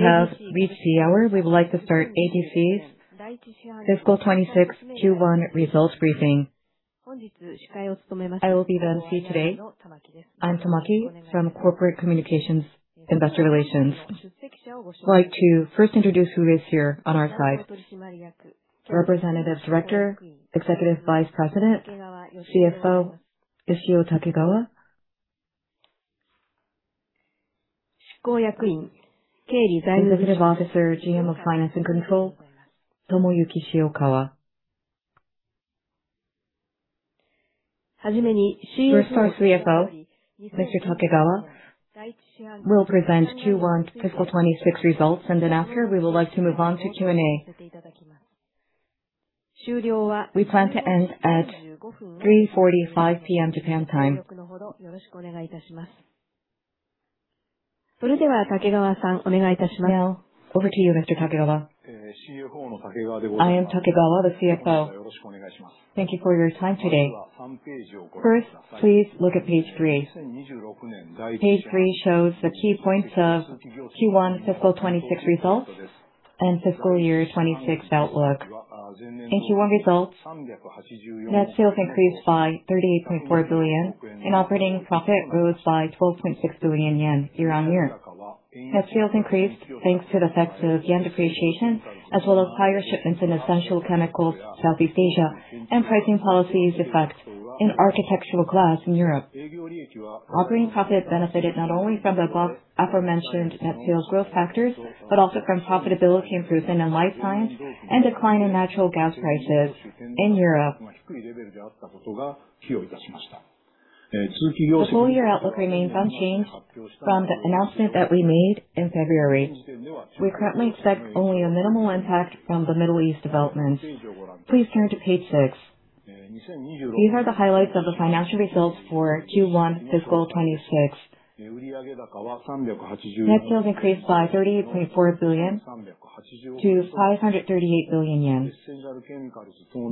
We have reached the hour. We would like to start AGC's fiscal 2026 Q1 results briefing. I will be the MC today. I'm Tamaki from Corporate Communications, Investor Relations. I'd like to first introduce who is here on our side. Representative Director, Executive Vice President, CFO, Yoshio Takegawa. Executive Officer, GM of Finance and Control, Tomoyuki Shiokawa. Our CFO, Mr. Takegawa, will present Q1 fiscal 2026 results, and then after, we would like to move on to Q&A. We plan to end at 3:45 P.M. Japan time. Over to you, Mr. Takegawa. I am Takegawa, the CFO. Thank you for your time today. Please look at page three. Page three shows the key points of Q1 fiscal 2026 results and fiscal year 2026 outlook. In Q1 results, net sales increased by 38.4 billion, and operating profit rose by 12.6 billion yen year-on-year. Net sales increased thanks to the effects of yen depreciation, as well as higher shipments in Essential Chemicals Southeast Asia, and pricing policies effect in architectural glass in Europe. Operating profit benefited not only from the above aforementioned net sales growth factors, but also from profitability improvement in life science and decline in natural gas prices in Europe. The full-year outlook remains unchanged from the announcement that we made in February. We currently expect only a minimal impact from the Middle East developments. Please turn to page six. These are the highlights of the financial results for Q1 FY 2026. Net sales increased by 38.4 billion to 538 billion yen.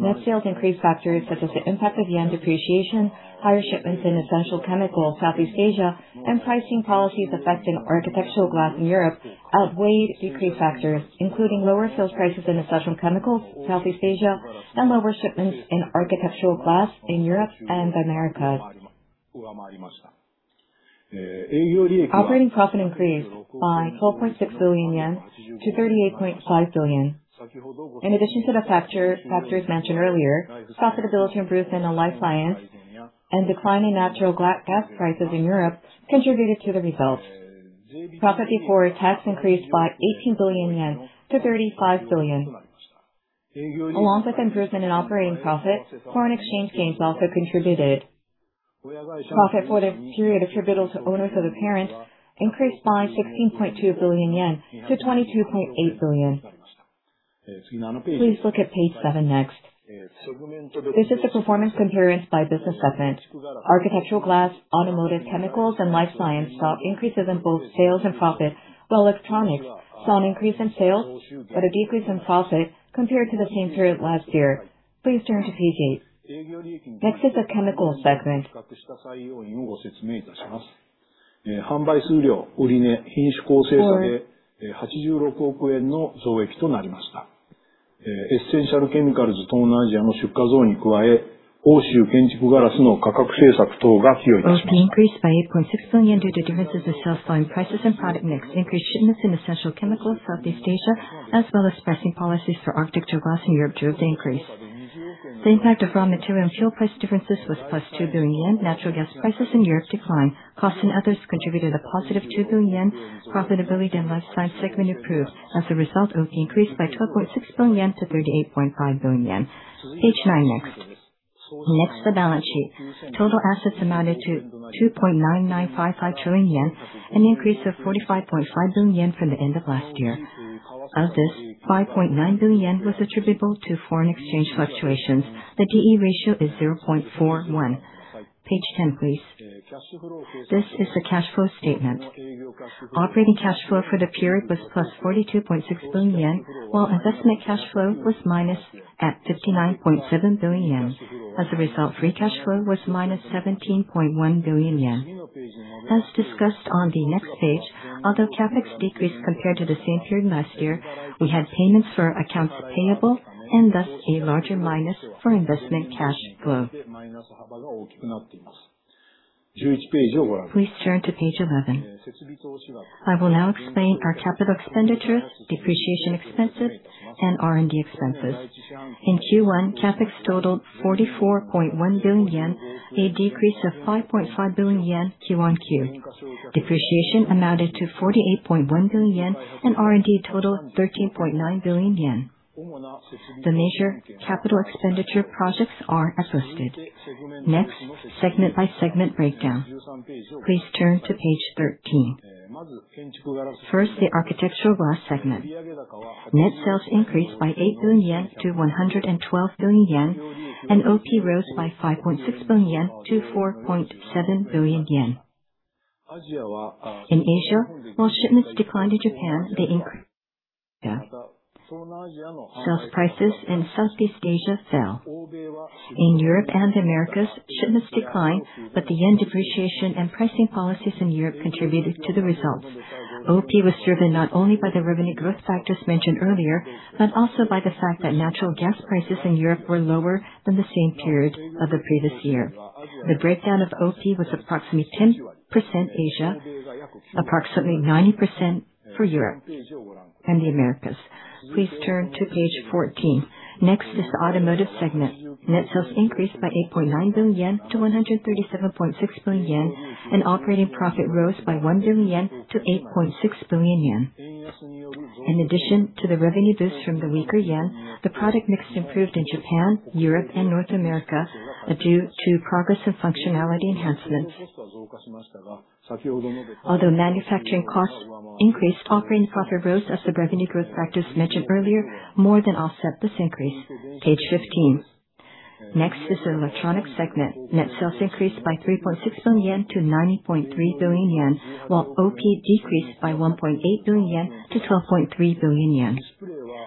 Net sales increase factors such as the impact of JPY depreciation, higher shipments in Essential Chemicals Southeast Asia, and pricing policies affecting architectural glass in Europe outweighed decrease factors, including lower sales prices in Essential Chemicals Southeast Asia, and lower shipments in architectural glass in Europe and Americas. Operating profit increased by 12.6 billion-38.5 billion yen. In addition to the factors mentioned earlier, profitability improvement on Life Science and declining natural gas prices in Europe contributed to the results. Profit before tax increased by 18 billion-35 billion yen. Along with improvement in operating profit, foreign exchange gains also contributed. Profit for the period attributable to owners of the parent increased by 16.2 billion-22.8 billion yen. Please look at page seven next. This is the performance comparison by business segment. Architectural glass, automotive chemicals and life science saw increases in both sales and profit, while electronics saw an increase in sales but a decrease in profit compared to the same period last year. Please turn to page 8. Next is the chemical segment. OP increased by JPY 8.6 billion due to differences in sales volume, prices and product mix. Increased shipments in Essential Chemicals Southeast Asia, as well as pricing policies for architectural glass in Europe drove the increase. The impact of raw material and fuel price differences was plus 2 billion yen. Natural gas prices in Europe declined. Costs and others contributed a positive 2 billion yen. Profitability in life science segment improved. As a result, OP increased by 12.6 billion-38.5 billion yen. Page nine next. Next, the balance sheet. Total assets amounted to 2.9955 trillion yen, an increase of 45.5 billion yen from the end of last year. Of this, 5.9 billion yen was attributable to foreign exchange fluctuations. The D/E ratio is 0.41. Page 10, please. This is the cash flow statement. Operating cash flow for the period was plus 42.6 billion yen, while investment cash flow was minus at 59.7 billion yen. As a result, free cash flow was minus 17.1 billion yen. As discussed on the next page, although CapEx decreased compared to the same period last year, we had payments for accounts payable and thus a larger minus for investment cash flow. Please turn to page 11. I will now explain our capital expenditure, depreciation expenses and R&D expenses. In Q1, CapEx totaled 44.1 billion yen, a decrease of 5.5 billion yen Q-on-Q. Depreciation amounted to 48.1 billion yen and R&D totaled 13.9 billion yen. The major capital expenditure projects are as listed. Segment by segment breakdown. Please turn to page 13. The architectural glass segment. Net sales increased by 8 billion-112 billion yen, and OP rose by 5.6 billion-4.7 billion yen. In Asia, while shipments declined in Japan, they increased. Sales prices in Southeast Asia fell. In Europe and the Americas, shipments declined, but the yen depreciation and pricing policies in Europe contributed to the results. OP was driven not only by the revenue growth factors mentioned earlier, but also by the fact that natural gas prices in Europe were lower than the same period of the previous year. The breakdown of OP was approximately 10% Asia, approximately 90% for Europe and the Americas. Please turn to page 14. Next is the Automotive Segment. Net sales increased by 8.9 billion-137.6 billion yen, operating profit rose by 1 billion-8.6 billion yen. In addition to the revenue boost from the weaker yen, the product mix improved in Japan, Europe, and North America due to progress and functionality enhancements. Although manufacturing costs increased, operating profit rose as the revenue growth factors mentioned earlier more than offset this increase. Page 15. Next is the Electronics Segment. Net sales increased by 3.6 billion-90.3 billion yen, while OP decreased by 1.8 billion-12.3 billion yen.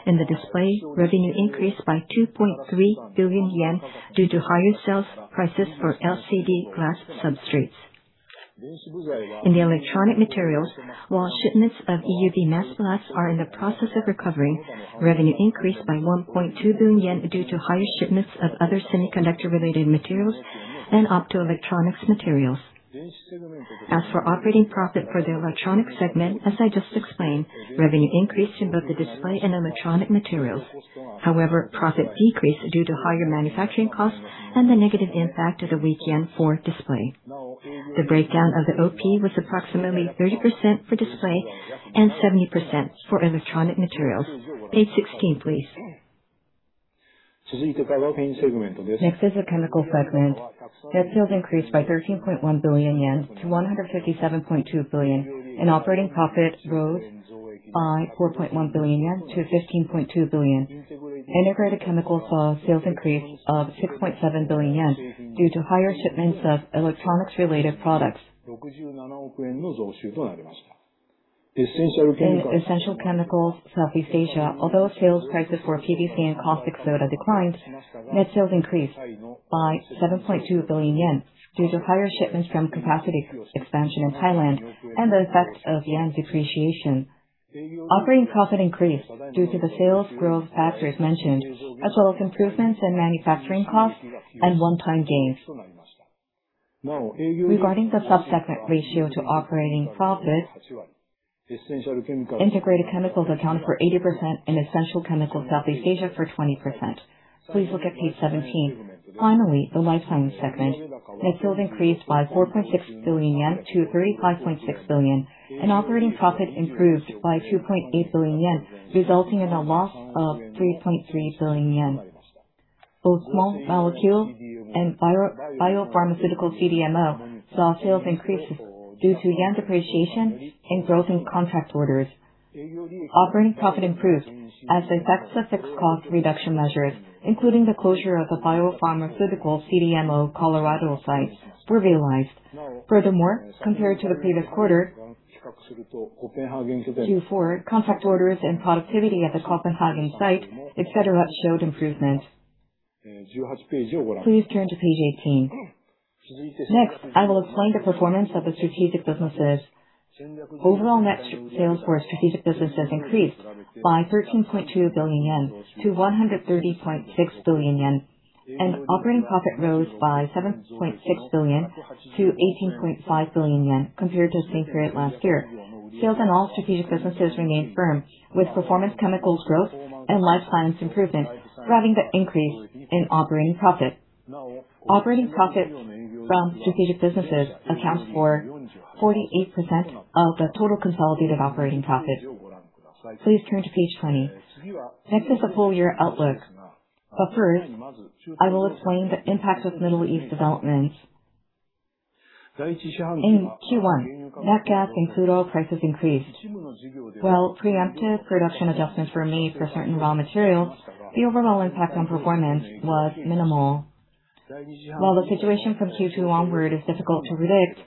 In the Display, revenue increased by 2.3 billion yen due to higher sales prices for LCD glass substrates. In the Electronic Materials, while shipments of EUV mask blanks are in the process of recovering, revenue increased by 1.2 billion yen due to higher shipments of other semiconductor-related materials and optoelectronics materials. As for operating profit for the Electronic segment, as I just explained, revenue increased in both the Display and Electronic Materials. Profit decreased due to higher manufacturing costs and the negative impact of the weak yen for Display. The breakdown of the OP was approximately 30% for Display and 70% for Electronic Materials. Page 16, please. Next is the Chemical segment. Net sales increased by 13.1 billion-157.2 billion yen, and operating profit rose by 4.1 billion-15.2 billion yen. Integrated Chemicals saw a sales increase of 6.7 billion yen due to higher shipments of electronics-related products. In Essential Chemicals Southeast Asia, although sales prices for PVC and caustic soda declined, net sales increased by 7.2 billion yen due to higher shipments from capacity expansion in Thailand and the effect of yen depreciation. Operating profit increased due to the sales growth factors mentioned, as well as improvements in manufacturing costs and one-time gains. Regarding the sub-segment ratio to operating profit, Integrated Chemicals accounted for 80% and Essential Chemicals Southeast Asia for 20%. Please look at page 17. Finally, the Life Science segment. Net sales increased by 4.6 billion-35.6 billion yen, and operating profit improved by 2.8 billion yen, resulting in a loss of 3.3 billion yen. Both small molecules and biopharmaceutical CDMO saw sales increases due to yen depreciation and growth in contract orders. Operating profit improved as the effects of fixed cost reduction measures, including the closure of the biopharmaceutical CDMO Colorado site, were realized. Compared to the previous quarter, Q4, contract orders and productivity at the Copenhagen site, et cetera, showed improvement. Please turn to page 18. I will explain the performance of the strategic businesses. Overall net sales for strategic businesses increased by 13.2 billion yen to 130.6 billion yen. Operating profit rose by 7.6 billion-18.5 billion yen compared to the same period last year. Sales in all strategic businesses remained firm, with Performance Chemicals growth and Life Science improvement driving the increase in operating profit. Operating profit from strategic businesses accounts for 48% of the total consolidated operating profit. Please turn to page 20. Next is the full-year outlook. First, I will explain the impact of Middle East developments. In Q1, natural gas and crude oil prices increased. While preemptive production adjustments were made for certain raw materials, the overall impact on performance was minimal. While the situation from Q2 onward is difficult to predict,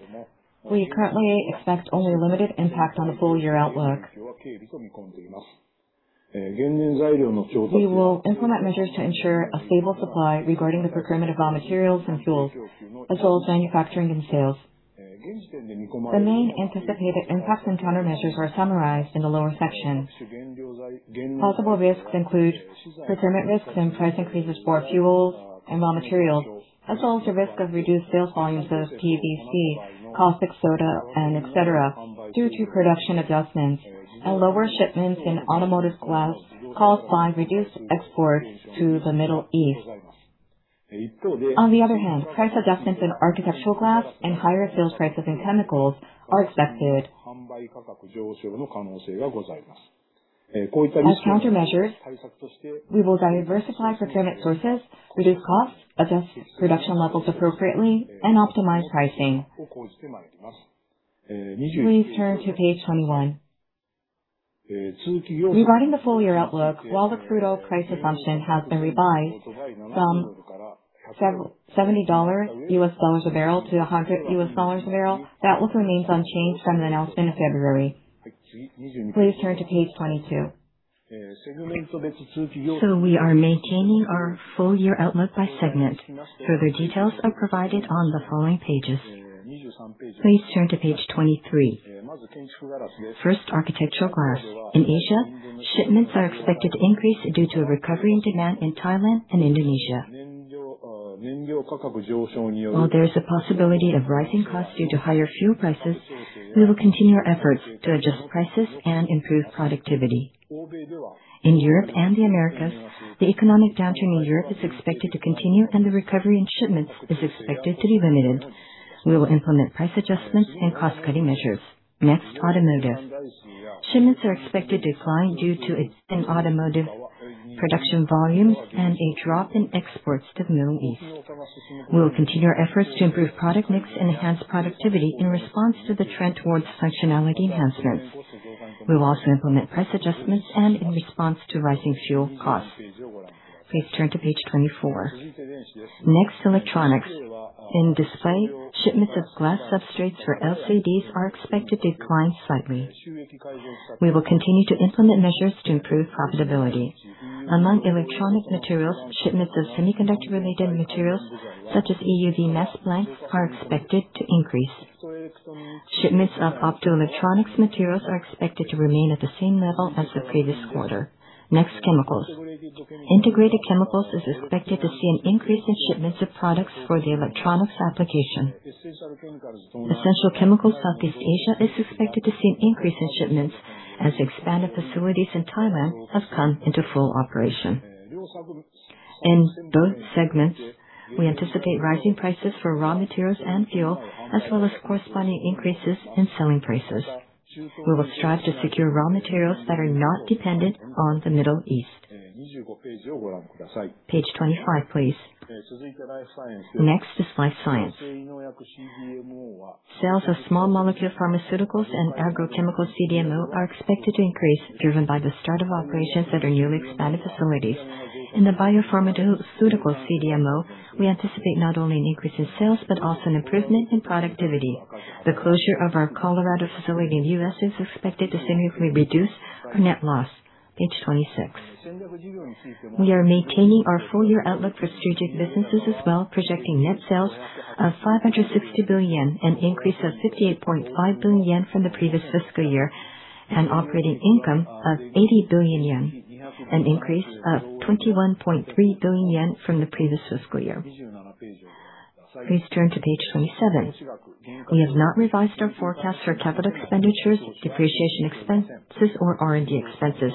we currently expect only limited impact on the full-year outlook. We will implement measures to ensure a stable supply regarding the procurement of raw materials and fuels, as well as manufacturing and sales. The main anticipated impacts and countermeasures are summarized in the lower section. Possible risks include procurement risks and price increases for fuels and raw materials, as well as the risk of reduced sales volumes of PVC, caustic soda, and et cetera, due to production adjustments and lower shipments in automotive glass caused by reduced exports to the Middle East. On the other hand, price adjustments in architectural glass and higher sales prices in chemicals are expected. As countermeasures, we will diversify procurement sources, reduce costs, adjust production levels appropriately, and optimize pricing. Please turn to page 21. Regarding the full-year outlook, while the crude oil price assumption has been revised from $70 a barrel-$100 a barrel. That will remain unchanged from the announcement in February. Please turn to page 22. We are maintaining our full year outlook by segment. Further details are provided on the following pages. Please turn to page 23. First, architectural glass. In Asia, shipments are expected to increase due to a recovery in demand in Thailand and Indonesia. While there is a possibility of rising costs due to higher fuel prices, we will continue our efforts to adjust prices and improve productivity. In Europe and the Americas, the economic downturn in Europe is expected to continue, and the recovery in shipments is expected to be limited. We will implement price adjustments and cost-cutting measures. Next, automotive. Shipments are expected to decline due to ex-- in automotive production volumes and a drop in exports to the Middle East. We will continue our efforts to improve product mix and enhance productivity in response to the trend towards functionality enhancements. We will also implement price adjustments and in response to rising fuel costs. Please turn to page 24. Next, electronics. In display, shipments of glass substrates for LCDs are expected to decline slightly. We will continue to implement measures to improve profitability. Among electronic materials, shipments of semiconductor-related materials, such as EUV mask blanks, are expected to increase. Shipments of optoelectronics materials are expected to remain at the same level as the previous quarter. Next, chemicals. Integrated Chemicals is expected to see an increase in shipments of products for the electronics application. Essential Chemicals Southeast Asia is expected to see an increase in shipments as expanded facilities in Thailand have come into full operation. In both segments, we anticipate rising prices for raw materials and fuel, as well as corresponding increases in selling prices. We will strive to secure raw materials that are not dependent on the Middle East. Page 25, please. Next is Life Science. Sales of small molecule pharmaceuticals and agrochemical CDMO are expected to increase, driven by the start of operations at our newly expanded facilities. In the biopharmaceutical CDMO, we anticipate not only an increase in sales, but also an improvement in productivity. The closure of our Colorado facility in the U.S. is expected to significantly reduce our net loss. Page 26. We are maintaining our full-year outlook for strategic businesses as well, projecting net sales of 560 billion yen, an increase of 58.5 billion yen from the previous fiscal year, and operating income of 80 billion yen, an increase of 21.3 billion yen from the previous fiscal year. Please turn to Page 27. We have not revised our forecast for capital expenditures, depreciation expenses, or R&D expenses.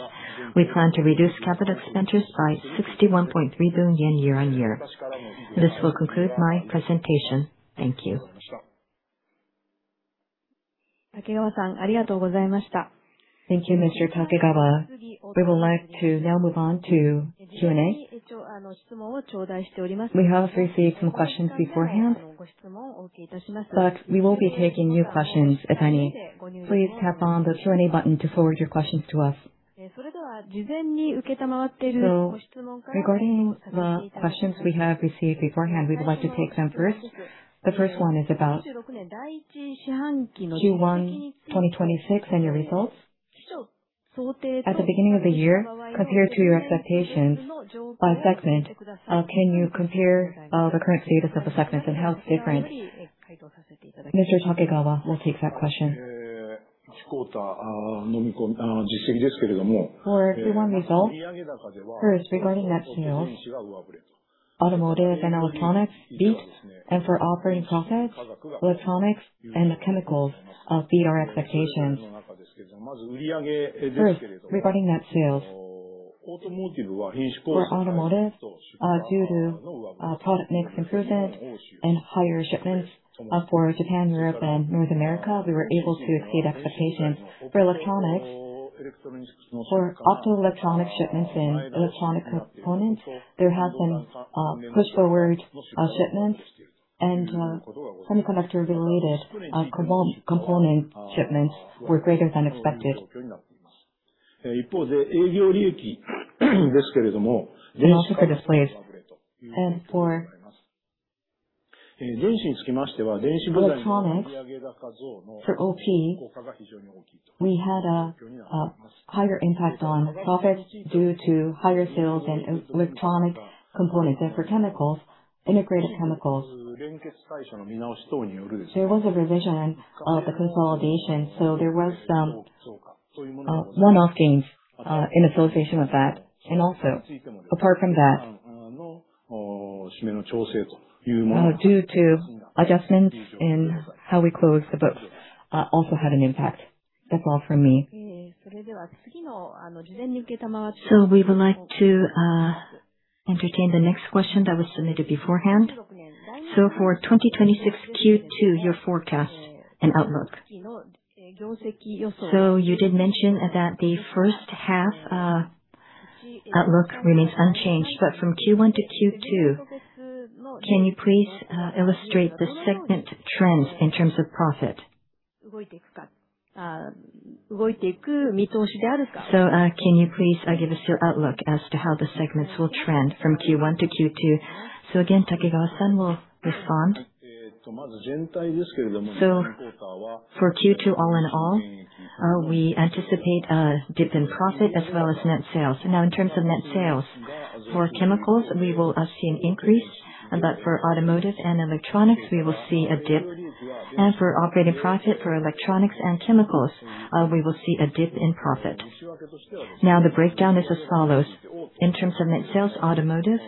We plan to reduce capital expenditures by 61.3 billion year-on-year. This will conclude my presentation. Thank you. Thank you, Mr. Takegawa. We would like to now move on to Q&A. We have received some questions beforehand, but we will be taking new questions if any. Please tap on the Q&A button to forward your questions to us. Regarding the questions we have received beforehand, we'd like to take them first. The first one is about Q1 2026 and your results. At the beginning of the year, compared to your expectations by segment, can you compare the current status of the segments and how it's different? Mr. Takegawa will take that question. For Q1 results. First, regarding net sales, Automotive and Electronics beat, and for operating profits, Electronics and Chemicals beat our expectations. First, regarding net sales. For Automotive, due to product mix improvement and higher shipments, for Japan, Europe, and North America, we were able to exceed expectations. For Electronics, for Optoelectronics shipments and electronic components, there have been push forward shipments and semiconductor-related component shipments were greater than expected. For Displays. For Electronics, for OP, we had a higher impact on profits due to higher sales in electronic components. For Chemicals, Integrated Chemicals, there was a revision of the consolidation, so there was some one-off gains in association with that. Apart from that, due to adjustments in how we close the books, also had an impact. That's all from me. We would like to entertain the next question that was submitted beforehand. For 2026 Q2, your forecast and outlook. You did mention that the first half outlook remains unchanged, but from Q1 to Q2, can you please illustrate the segment trends in terms of profit? Can you please give us your outlook as to how the segments will trend from Q1 to Q2? Again, Yoshio Takegawa will respond. For Q2 all in all, we anticipate a dip in profit as well as net sales. In terms of net sales, for chemicals we will see an increase, but for automotive and electronics, we will see a dip. For operating profit for electronics and chemicals, we will see a dip in profit. The breakdown is as follows. In terms of net sales automotive,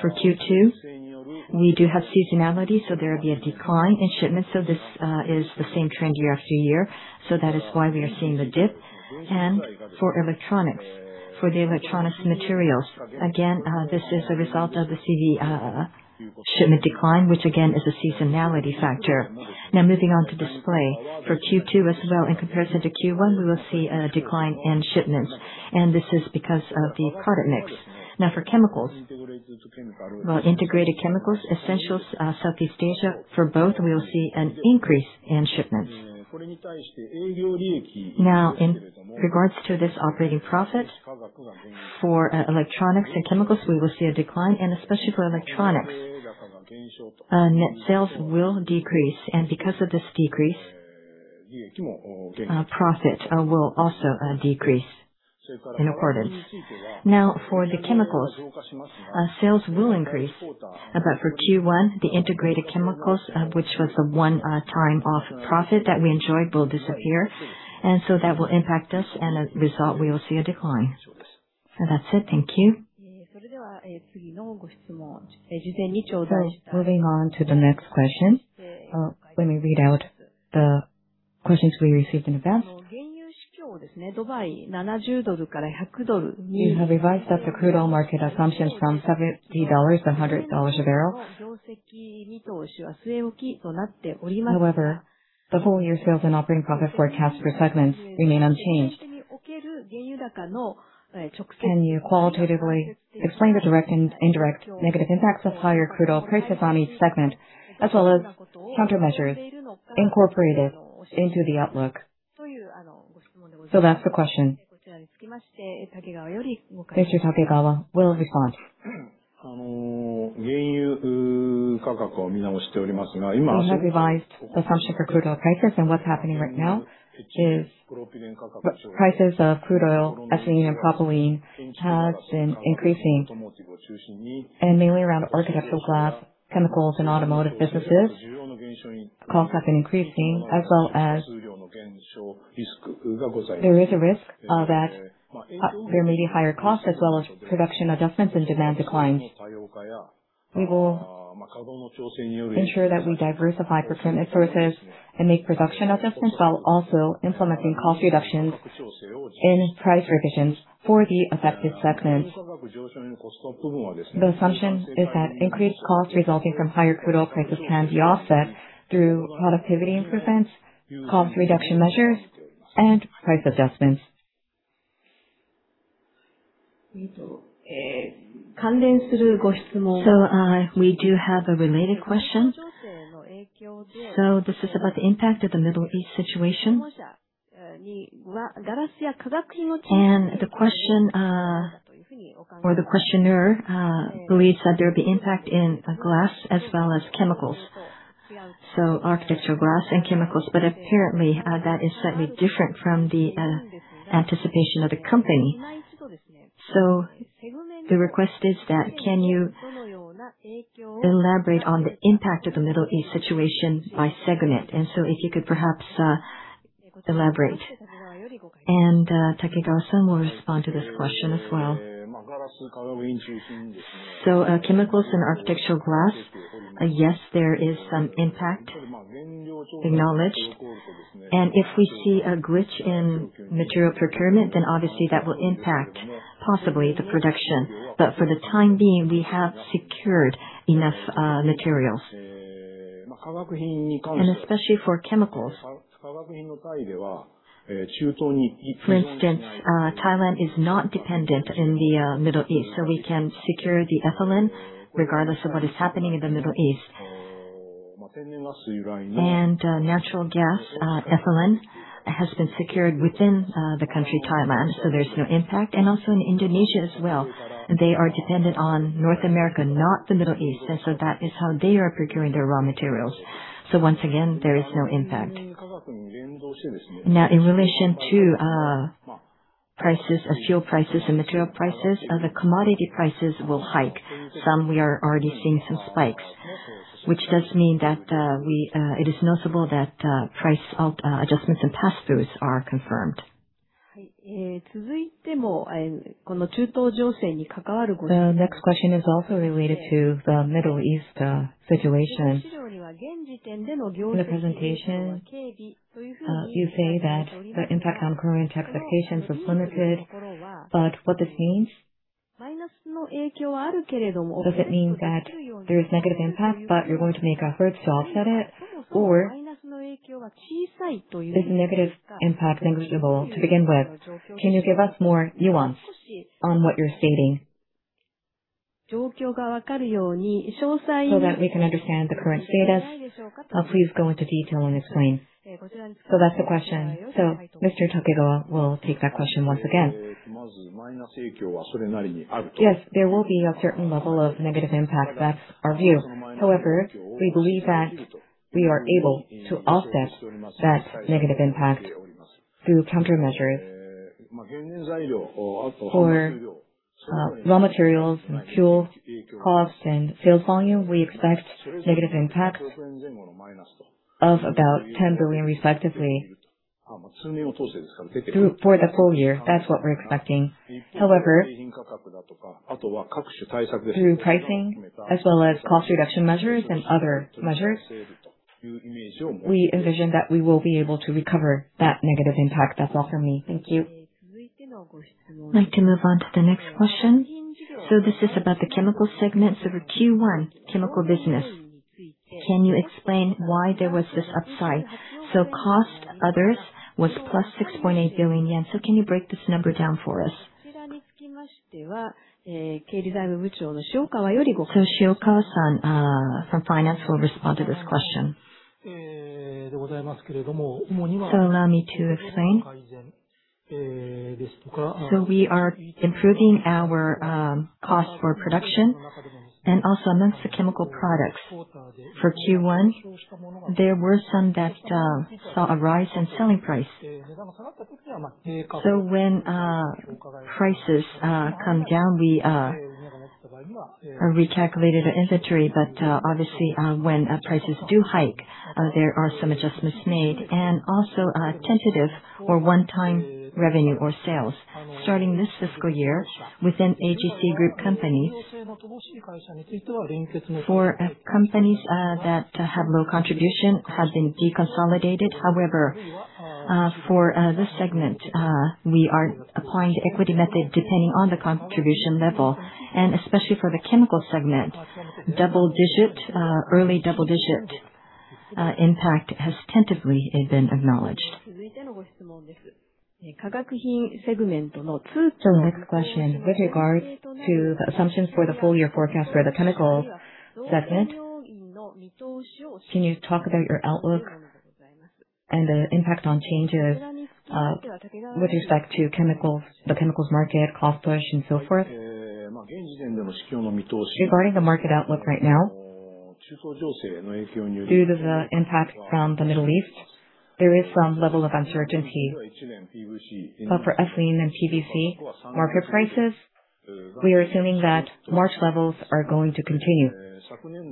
for Q2 we do have seasonality, so there will be a decline in shipments. This is the same trend year after year. That is why we are seeing the dip. For electronics, for the electronics materials, again, this is a result of the EUV shipment decline, which again is a seasonality factor. Moving on to display. For Q2 as well in comparison to Q1, we will see a decline in shipments, and this is because of the product mix. For chemicals. While Integrated Chemicals, Essential Chemicals Southeast Asia, for both we will see an increase in shipments. In regards to this operating profit, for electronics and chemicals, we will see a decline and especially for electronics. Net sales will decrease and because of this decrease, profit will also decrease in accordance. For the chemicals, sales will increase, but for Q1 the Integrated Chemicals, which was a one-time off profit that we enjoyed will disappear. That will impact us and as a result, we will see a decline. That's it. Thank you. Moving on to the next question. Let me read out the questions we received in advance. You have revised up the crude oil market assumptions from $70-$80-$100 a barrel. However, the whole year sales and operating profit forecast for segments remain unchanged. Can you qualitatively explain the direct and indirect negative impacts of higher crude oil prices on each segment, as well as countermeasures incorporated into the outlook? That's the question. Mr. Takegawa will respond. We have revised assumption for crude oil prices, and what's happening right now is prices of crude oil, ethylene, and propylene has been increasing. Mainly around architectural glass, chemicals, and automotive businesses, costs have been increasing as well as there is a risk that there may be higher costs as well as production adjustments and demand declines. We will ensure that we diversify procurement sources and make production adjustments while also implementing cost reductions in price revisions for the affected segments. The assumption is that increased costs resulting from higher crude oil prices can be offset through productivity improvements, cost reduction measures, and price adjustments. We do have a related question. This is about the impact of the Middle East situation. The question, or the questioner, believes that there will be impact in glass as well as chemicals. Architectural glass and chemicals, but apparently, that is slightly different from the anticipation of the company. The request is that can you elaborate on the impact of the Middle East situation by segment? If you could perhaps elaborate. Takegawa-san will respond to this question as well. Chemicals and architectural glass, yes, there is some impact acknowledged. If we see a glitch in material procurement, then obviously that will impact possibly the production. For the time being, we have secured enough materials. Especially for chemicals. For instance, Thailand is not dependent in the Middle East, we can secure the ethylene regardless of what is happening in the Middle East. Natural gas, ethylene has been secured within the country Thailand, there's no impact. Also in Indonesia as well, they are dependent on North America, not the Middle East. That is how they are procuring their raw materials. Once again, there is no impact. In relation to prices of fuel prices and material prices, the commodity prices will hike. Some we are already seeing some spikes, which does mean that it is notable that price of adjustments and pass-throughs are confirmed. The next question is also related to the Middle East situation. In the presentation, you say that the impact on current expectations was limited. What this means? Does it mean that there is negative impact, but you're going to make efforts to offset it? Is this negative impact negligible to begin with? Can you give us more nuance on what you're stating? So that we can understand the current status, please go into detail and explain. That's the question. Mr. Takegawa will take that question once again. Yes, there will be a certain level of negative impact. That's our view. However, we believe that we are able to offset that negative impact through countermeasures. For raw materials and fuel costs and sales volume, we expect negative impact of about 10 billion respectively for the full year. That's what we're expecting. However, through pricing as well as cost reduction measures and other measures, we envision that we will be able to recover that negative impact. That's all from me. Thank you. I'd like to move on to the next question. This is about the Chemical segment. For Q1 Chemical business, can you explain why there was this upside? Cost others was +6.8 billion yen. Can you break this number down for us? Shiokawa-san, from finance, will respond to this question. Allow me to explain. We are improving our cost for production and also amongst the chemical products. For Q1, there were some that saw a rise in selling price. When prices come down, we have recalculated our inventory. Obviously, when prices do hike, there are some adjustments made and also tentative or one-time revenue or sales. Starting this fiscal year, within AGC group companies, for companies that have low contribution have been deconsolidated. However, for this segment, we are applying the equity method depending on the contribution level, and especially for the chemical segment, double-digit, early double-digit impact has tentatively been acknowledged. The next question. With regard to the assumptions for the full year forecast for the chemical segment, can you talk about your outlook and the impact on changes with respect to chemicals, the chemicals market, cost push and so forth? Regarding the market outlook right now, due to the impact from the Middle East, there is some level of uncertainty. For ethylene and PVC market prices, we are assuming that March levels are going to continue. Ever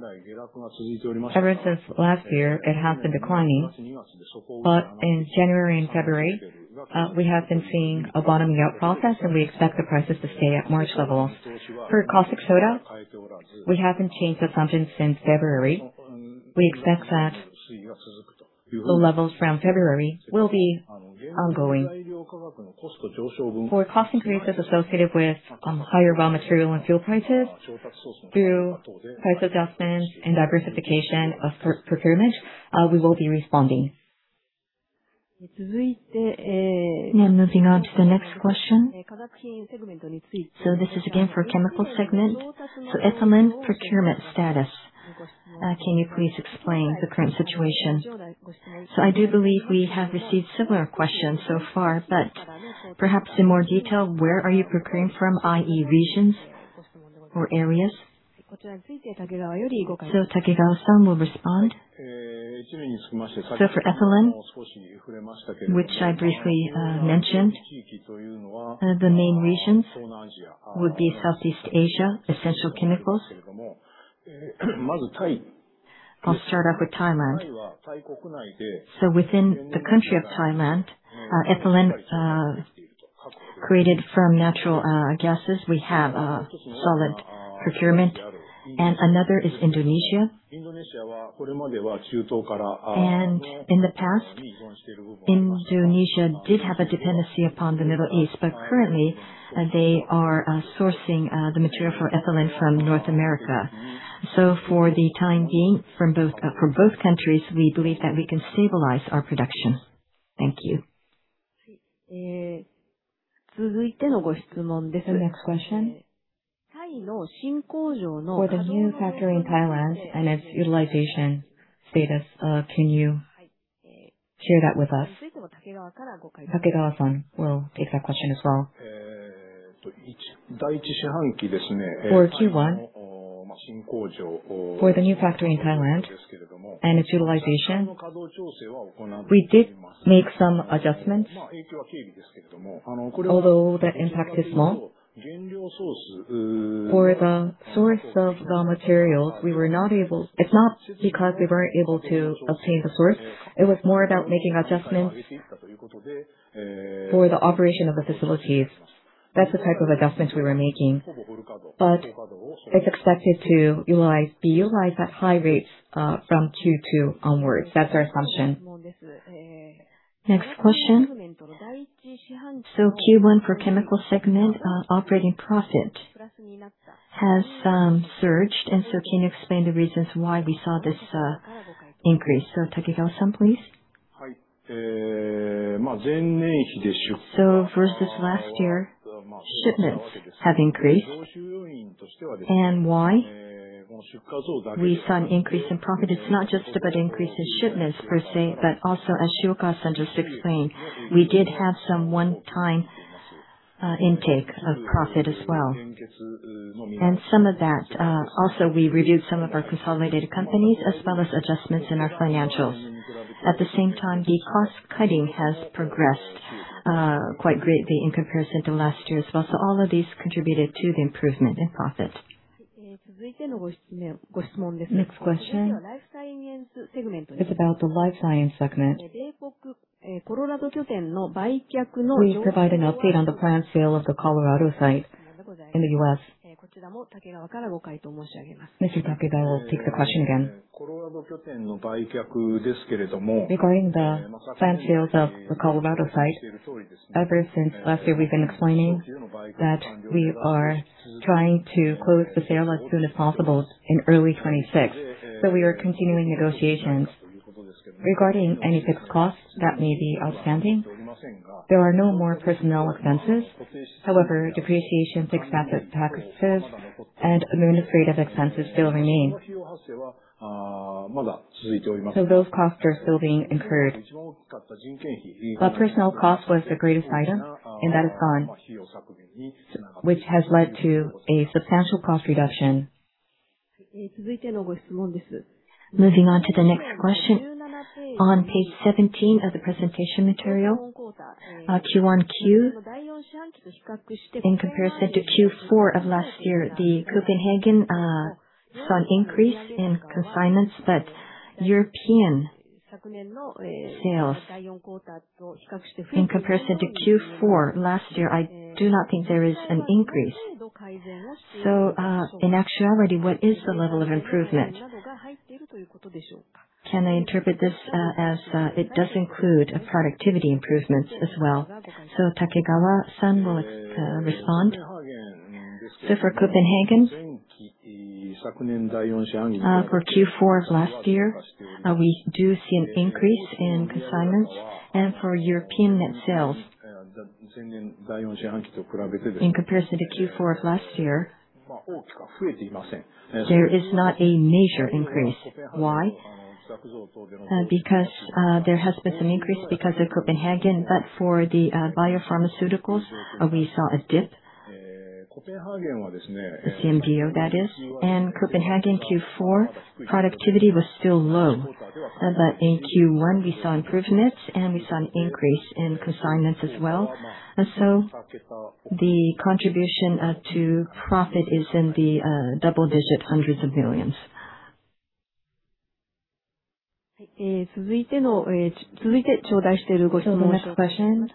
since last year, it has been declining. In January and February, we have been seeing a bottoming out process, and we expect the prices to stay at March levels. For caustic soda, we haven't changed assumptions since February. We expect that the levels from February will be ongoing. For cost increases associated with higher raw material and fuel prices through price adjustments and diversification of procurement, we will be responding. Moving on to the next question. This is again for chemical segment. Ethylene procurement status, can you please explain the current situation? I do believe we have received similar questions so far, but perhaps in more detail, where are you procuring from, i.e., regions or areas? Takegawa-san will respond. For ethylene, which I briefly mentioned, the main regions would be Essential Chemicals Southeast Asia. I'll start off with Thailand. Within the country of Thailand, ethylene created from natural gases, we have a solid procurement, and another is Indonesia. In the past, Indonesia did have a dependency upon the Middle East, but currently, they are sourcing the material for ethylene from North America. For the time being, from both, for both countries, we believe that we can stabilize our production. Thank you. The next question. For the new factory in Thailand and its utilization status, can you share that with us? Takegawa-san will take that question as well. For Q1, for the new factory in Thailand and its utilization, we did make some adjustments. Although that impact is small. For the source of raw materials, it's not because we weren't able to obtain the source. It was more about making adjustments for the operation of the facilities. That's the type of adjustments we were making. But it's expected to be utilized at high rates from Q2 onwards. That's our assumption. Next question. Q1 for chemical segment, operating profit has surged, can you explain the reasons why we saw this increase? Takegawa-san, please. Versus last year, shipments have increased. Why we saw an increase in profit, it's not just about increase in shipments per se, but also as Shiokawa just explained, we did have some one-time intake of profit as well. Some of that also we reviewed some of our consolidated companies as well as adjustments in our financials. At the same time, the cost-cutting has progressed quite greatly in comparison to last year as well. All of these contributed to the improvement in profit. Next question. It's about the life science segment. Please provide an update on the planned sale of the Colorado site in the U.S. Mr. Takegawa will take the question again. Regarding the planned sales of the Colorado site, ever since last year we've been explaining that we are trying to close the sale as soon as possible in early 2026. We are continuing negotiations. Regarding any fixed costs that may be outstanding, there are no more personnel expenses. However, depreciation, fixed asset taxes, and administrative expenses still remain. Those costs are still being incurred. Personnel cost was the greatest item, and that is gone, which has led to a substantial cost reduction. Moving on to the next question. On page 17 of the presentation material, QOQ, in comparison to Q4 of last year, the Copenhagen saw an increase in consignments. European sales in comparison to Q4 last year, I do not think there is an increase. In actuality, what is the level of improvement? Can I interpret this as it does include productivity improvements as well? Yoshio Takegawa will respond. For Copenhagen, for Q4 of last year, we do see an increase in consignments. For European net sales in comparison to Q4 of last year, there is not a major increase. Why? Because there has been some increase because of Copenhagen, but for the biopharmaceuticals, we saw a dip. The CDMO, that is. Copenhagen Q4 productivity was still low. But in Q1 we saw improvements and we saw an increase in consignments as well. The contribution to profit is in the double digit hundreds of millions JPY. The next question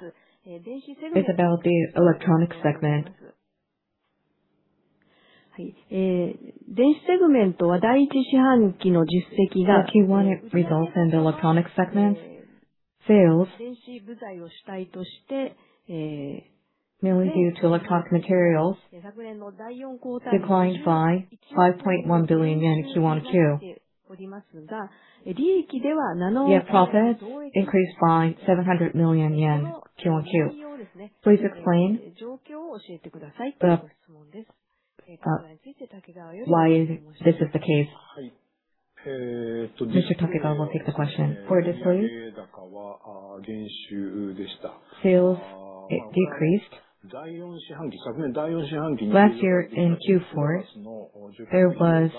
is about the electronic segment. Q1 results in the electronic segment. Sales mainly due to electronic materials declined by 5.1 billion yen Q1-on-Q. Profit increased by 700 million yen Q1-on-Q. Please explain why this is the case. Mr. Takegawa will take the question. For displays, sales decreased. Last year in Q4, there were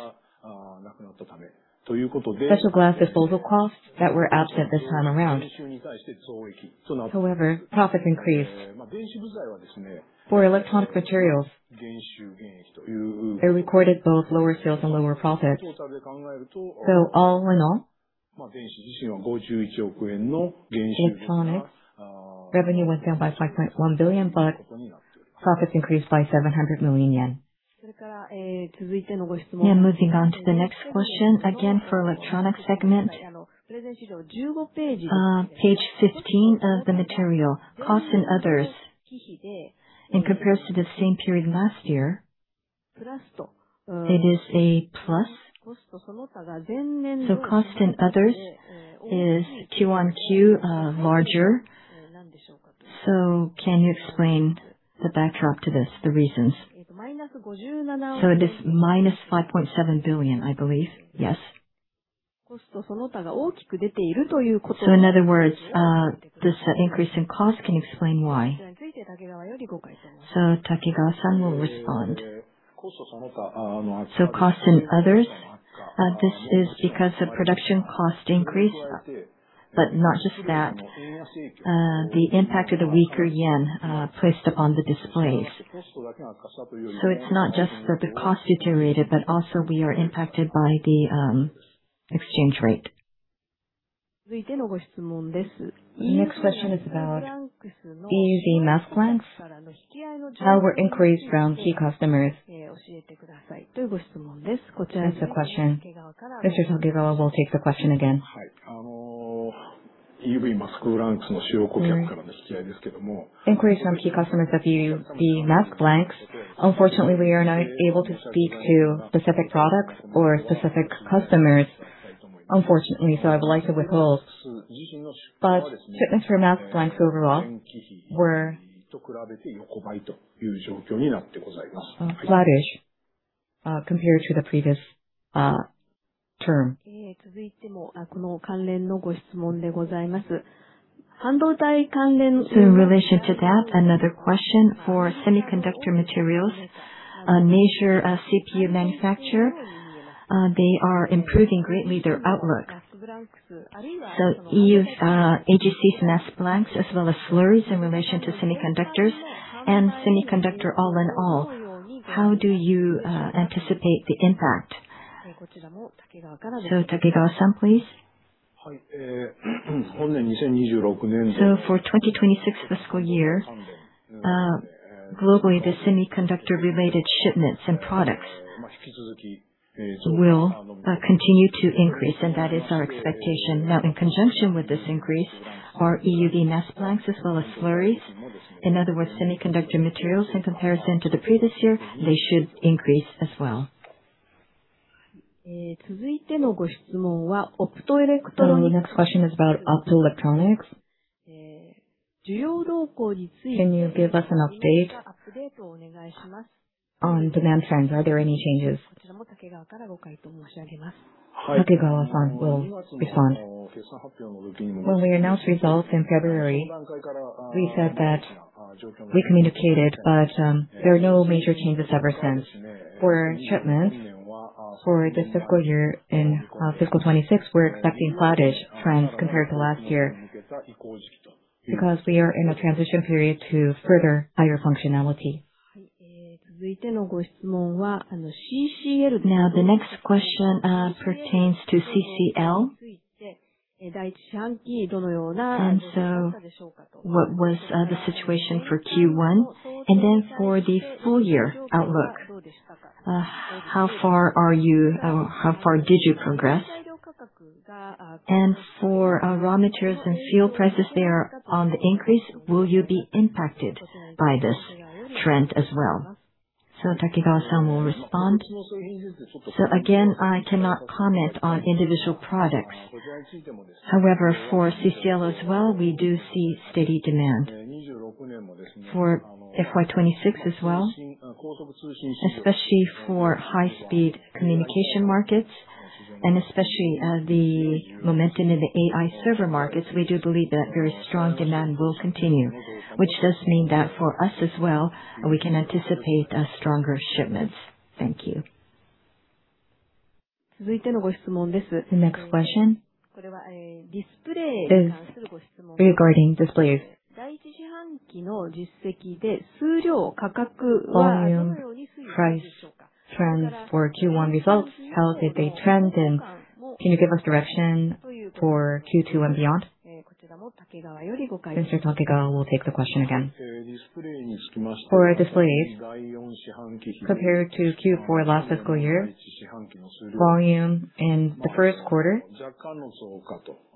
special glass disposal costs that were absent this time around. Profit increased. For electronic materials, they recorded both lower sales and lower profits. All in all, electronics revenue went down by 5.1 billion, profits increased by 700 million yen. Moving on to the next question, again for electronic segment. Page 15 of the material. Cost and others in comparison to the same period last year, it is a plus. Cost and others is Q1 to Q larger. Can you explain the backdrop to this, the reasons? It is minus 5.7 billion, I believe. Yes. In other words, this increase in cost, can you explain why? Yoshio Takegawa will respond. Cost and others, this is because of production cost increase, not just that. The impact of the weaker yen placed upon the displays. It's not just that the cost deteriorated, but also we are impacted by the exchange rate. Next question is about EUV mask blanks. How were inquiries from key customers? That's the question. Mr. Yoshio Takegawa will take the question again. Inquiries from key customers of EUV mask blanks. Unfortunately, we are not able to speak to specific products or specific customers, unfortunately, I would like to withhold. Shipments for mask blanks overall were flattish compared to the previous term. In relation to that, another question for semiconductor materials. Major GPU manufacturer, they are improving greatly their outlook. EUV AGC mask blanks as well as slurries in relation to semiconductors and semiconductor all in all, how do you anticipate the impact? Yoshio Takegawa, please. For 2026 fiscal year, globally, the semiconductor related shipments and products will continue to increase, and that is our expectation. In conjunction with this increase are EUV mask blanks as well as slurries. In other words, semiconductor materials in comparison to the previous year, they should increase as well. The next question is about optoelectronics. Can you give us an update on demand trends? Are there any changes? Takegawa-san will respond. When we announced results in February, we said that we communicated, but there are no major changes ever since. For shipments for the fiscal year in fiscal 2026, we're expecting flattish trends compared to last year because we are in a transition period to further higher functionality. The next question pertains to CCL. What was the situation for Q1? For the full year outlook, how far are you, how far did you progress? For raw materials and fuel prices, they are on the increase. Will you be impacted by this trend as well? Takegawa-san will respond. Again, I cannot comment on individual products. However, for CCL as well, we do see steady demand. For FY 2026 as well, especially for high speed communication markets and especially, the momentum in the AI server markets, we do believe that very strong demand will continue, which does mean that for us as well, we can anticipate stronger shipments. Thank you. The next question is regarding displays. Volume, price trends for Q1 results. How did they trend? Can you give us direction for Q2 and beyond? Mr. Takegawa will take the question again. For displays, compared to Q4 last fiscal year, volume in the first quarter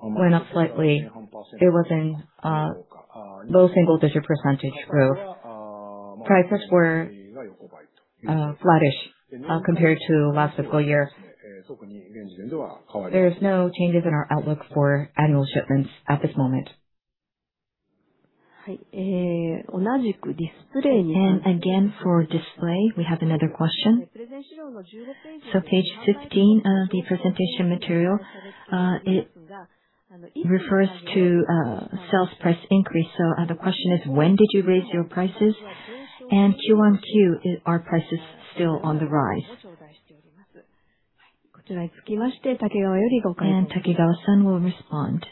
went up slightly. It was in low single-digit % growth. Prices were flattish compared to last fiscal year. There is no changes in our outlook for annual shipments at this moment. Again, for display, we have another question. Page 15 of the presentation material, it refers to sales price increase. The question is when did you raise your prices? QOQ, are prices still on the rise? Takegawa-san will respond.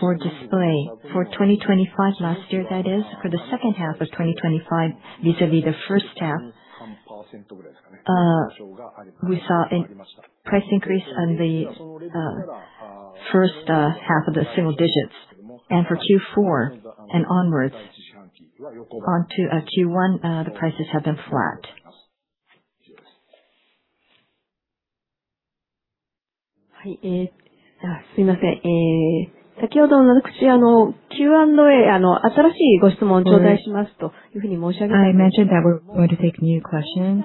For display, for 2025 last year, that is for the second half of 2025, vis-à-vis the first half, we saw a price increase on the first half of the single digits. For Q4 and onwards onto Q1, the prices have been flat. I mentioned that we're going to take new questions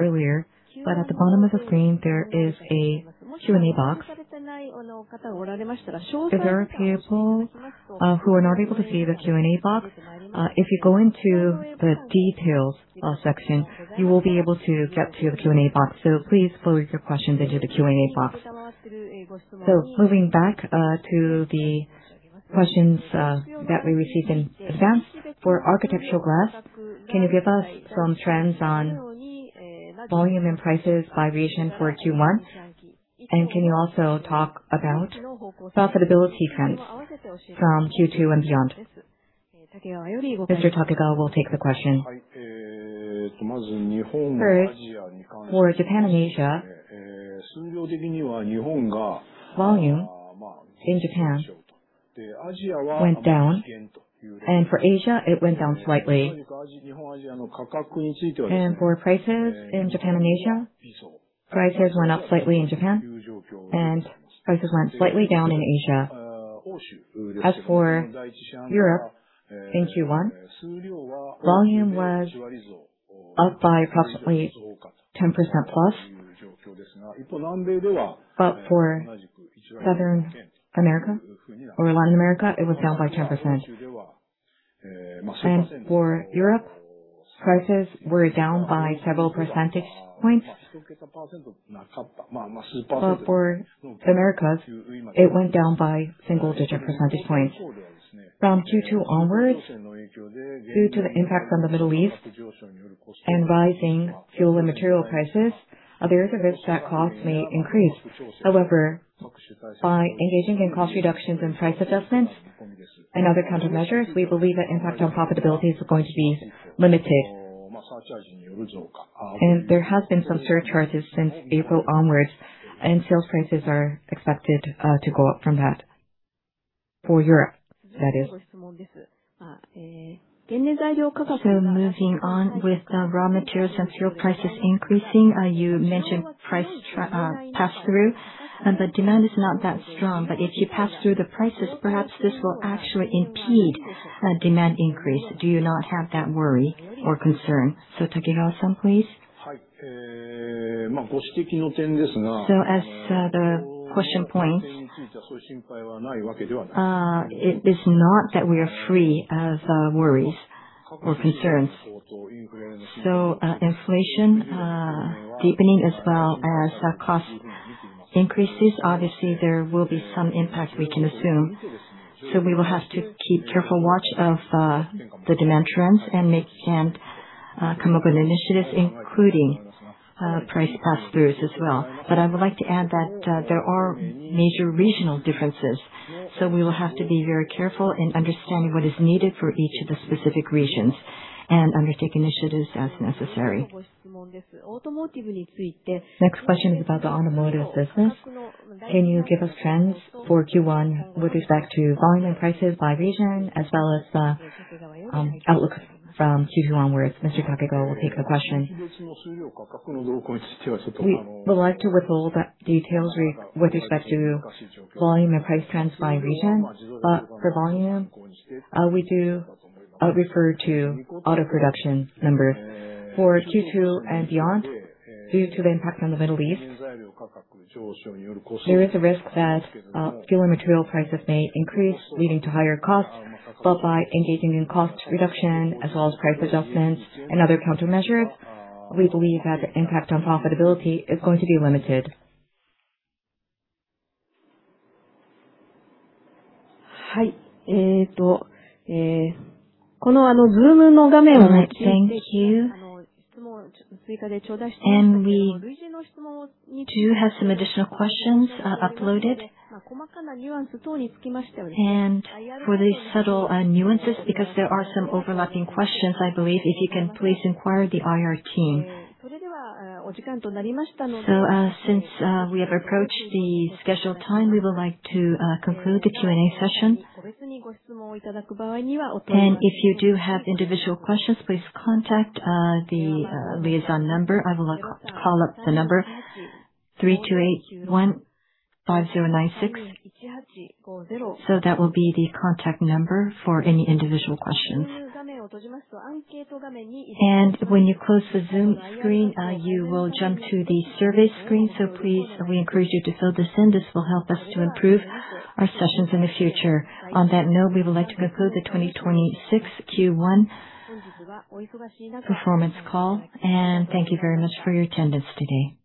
earlier, but at the bottom of the screen there is a Q&A box. If there are people who are not able to see the Q&A box, if you go into the details section, you will be able to get to the Q&A box. Please pose your questions into the Q&A box. Moving back to the questions that we received in advance. For architectural glass, can you give us some trends on volume and prices variation for Q1? Can you also talk about profitability trends from Q2 and beyond? Mr. Takegawa will take the question. First, for Japan and Asia, volume in Japan went down. For Asia it went down slightly. Prices went up slightly in Japan, and prices went slightly down in Asia. In Q1, volume was up by approximately 10%+. For Southern America or Latin America, it was down by 10%. For Europe, prices were down by several percentage points. For Americas, it went down by single digit percentage points. From Q2 onwards, due to the impact from the Middle East and rising fuel and material prices, there is a risk that costs may increase. However, by engaging in cost reductions and price adjustments and other countermeasures, we believe that impact on profitability is going to be limited. There has been some surcharges since April onwards, and sales prices are expected to go up from that. For Europe, that is. Moving on with raw materials and fuel prices increasing, you mentioned price pass-through, but demand is not that strong. If you pass through the prices, perhaps this will actually impede demand increase. Do you not have that worry or concern? Takegawa-san, please. As to the question point, it is not that we are free of worries or concerns. Inflation deepening as well as cost increases, obviously there will be some impact we can assume. We will have to keep careful watch of the demand trends and make and come up with initiatives, including price pass-throughs as well. I would like to add that there are major regional differences, so we will have to be very careful in understanding what is needed for each of the specific regions and undertake initiatives as necessary. Next question is about the automotive business. Can you give us trends for Q1 with respect to volume and prices by region as well as outlook from Q2 onwards? Mr. Takegawa will take the question. We would like to withhold the details with respect to volume and price trends by region. For volume, we do refer to auto production numbers. For Q2 and beyond, due to the impact on the Middle East, there is a risk that fuel and material prices may increase, leading to higher costs. By engaging in cost reduction as well as price adjustments and other countermeasures, we believe that the impact on profitability is going to be limited. Thank you. We do have some additional questions uploaded. For the subtle nuances, because there are some overlapping questions, I believe if you can please inquire the IR team. Since we have approached the scheduled time, we would like to conclude the Q&A session. If you do have individual questions, please contact the liaison number. I will call up the number 32815096. That will be the contact number for any individual questions. When you close the Zoom screen, you will jump to the survey screen. Please, we encourage you to fill this in. This will help us to improve our sessions in the future. On that note, we would like to conclude the 2026 Q1 performance call. Thank you very much for your attendance today.